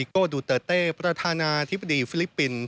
โก้ดูเตอร์เต้ประธานาธิบดีฟิลิปปินส์